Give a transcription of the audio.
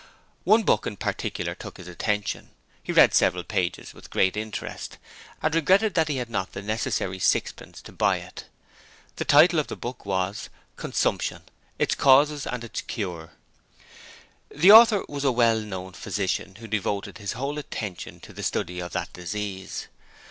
One book in particular took his attention: he read several pages with great interest, and regretted that he had not the necessary sixpence to buy it. The title of the book was: Consumption: Its Causes and Its Cure. The author was a well known physician who devoted his whole attention to the study of that disease.